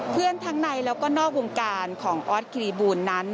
เพื่อนทั้งในและก็นอกวงการของอ๊อสกิริบูลนั้น